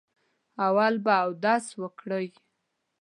اول به اودس وکړئ.